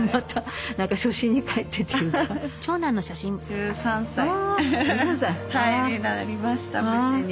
１３歳になりました無事に。